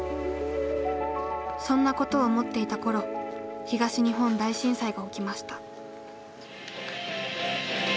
そんなことを思っていた頃東日本大震災が起きました。